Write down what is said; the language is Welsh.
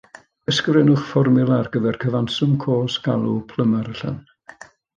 Ysgrifennwch fformiwla ar gyfer cyfanswm cost galw plymar allan